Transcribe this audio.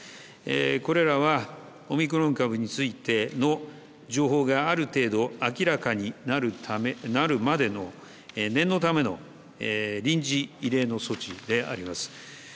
これらはオミクロン株についての情報がある程度明らかになるまでの念のための臨時異例の措置であります。